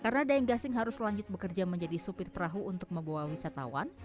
karena deng gasing harus lanjut bekerja menjadi supir perahu untuk membawa wisatawan